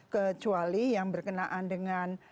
kecuali yang berkenaan dengan